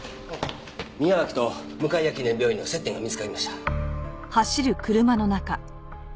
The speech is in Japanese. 宮脇と向谷記念病院の接点が見つかりました。